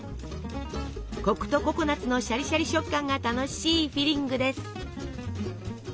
コクとココナツのシャリシャリ食感が楽しいフィリングです。